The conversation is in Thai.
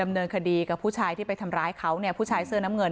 แต่คนที่เบิ้ลเครื่องรถจักรยานยนต์แล้วเค้าก็ลากคนนั้นมาทำร้ายร่างกาย